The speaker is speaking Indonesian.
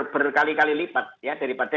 berkali kali lipat ya daripada